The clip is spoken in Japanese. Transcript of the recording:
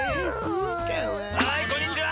はいこんにちは。